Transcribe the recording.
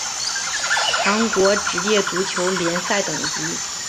韩国职业足球联赛等级